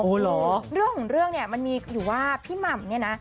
เรื่องของเรื่องเนี่ยมันมีอยู่ว่าพี่หม่ำเนี่ยนะ